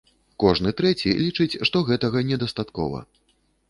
Кожны трэці лічыць, што гэтага недастаткова.